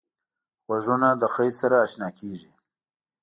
غوږونه له خیر سره اشنا کېږي